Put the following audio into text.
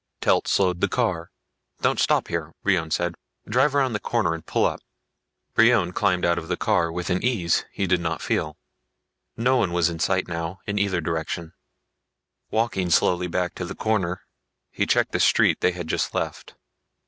Telt slowed the car. "Don't stop here," Brion said. "Drive around the corner, and pull up." Brion climbed out of the car with an ease he did not feel. No one was in sight now, in either direction. Walking slowly back to the corner, he checked the street they had just left.